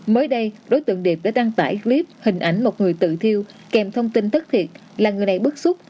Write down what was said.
mới đây đối tượng điệp đã đăng tải clip hình ảnh một người tự thiêu kèm thông tin thất thiệt là người này bức xúc